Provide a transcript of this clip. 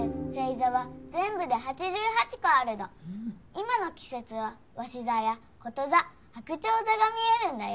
今の季節はわし座やこと座はくちょう座が見えるんだよ。